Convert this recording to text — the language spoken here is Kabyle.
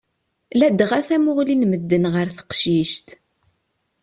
Ladɣa tamuɣli n medden ɣer teqcict.